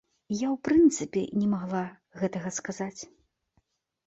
Я ў прынцыпе не магла гэтага сказаць!